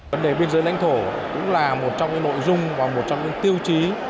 vấn đề biên giới lãnh thổ cũng là một trong những nội dung và một trong những tiêu chí